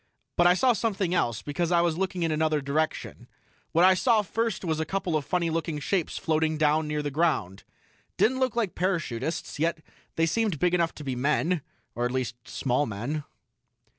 But I saw something else, because I was looking in another direction. What I saw first was a couple of funny looking shapes floating down near the ground. Didn't look like parachutists, yet they seemed big enough to be men or at least, small men."